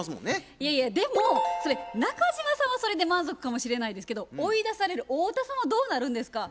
いやいやでもそれ中島さんはそれで満足かもしれないですけど追い出される太田さんはどうなるんですか？